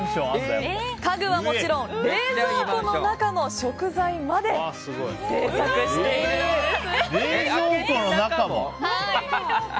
家具はもちろん冷蔵庫の中の食材まで制作しているんです。